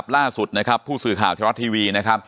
ล่าสุดพูดสื่อข่าวธรรมทรัฐทีวี